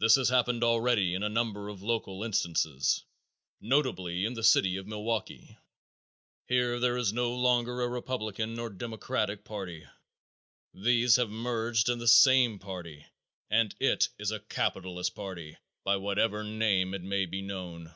This has happened already in a number of local instances, notably in the City of Milwaukee. Here there is no longer a Republican or Democratic party. These have merged in the same party and it is a capitalist party, by whatever name it may be known.